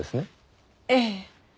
ええ。